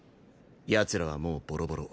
奴らはもうボロボロ。